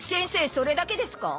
それだけですか？